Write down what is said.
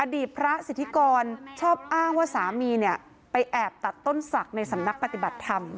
อดีตพระสิทธิกรชอบอ้างว่าสามีเนี่ยไปแอบตัดต้นศักดิ์ในสำนักปฏิบัติธรรม